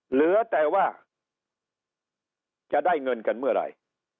เหลือแต่ว่าจะได้เงินกันเมื่อไหร่